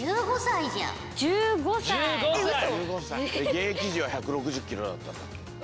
現役時は１６０ｋｇだったんだから。